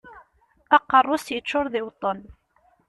Aqerru-s yeččuṛ d iweṭṭen.